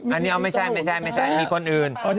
อันนี้เอาไม่ใช่มีคนอื่น